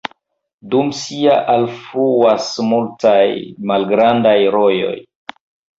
Dum sia alfluas multaj malgrandaj rojoj.